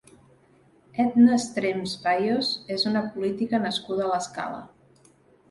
Etna Estrems Fayos és una política nascuda a l'Escala.